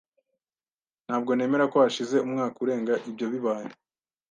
Ntabwo nemera ko hashize umwaka urenga ibyo bibaye.